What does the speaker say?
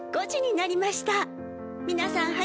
５時になりました皆さん